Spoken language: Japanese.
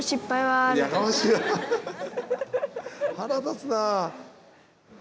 腹立つな。